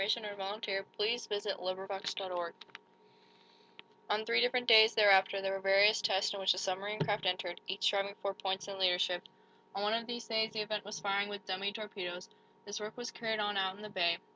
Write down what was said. CHAPTER XV THE GOAL OF THE LIGHTNING CRUISE On three different days, thereafter, there were various tests in which the submarine craft entered, each striving for points and leadership. On one of these days the event was firing with "dummy" torpedoes. This work was carried on out in the bay.